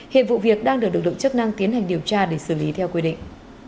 hiện vụ việc đang được lực lượng chức năng tiến hành điều tra để xử lý theo quy định